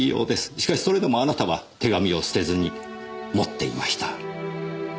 しかしそれでもあなたは手紙を捨てずに持っていました。